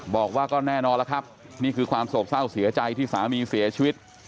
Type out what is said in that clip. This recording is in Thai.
บอกว่าก็แน่นอนแล้วครับนี่คือความโศกเศร้าเสียใจที่สามีเสียชีวิต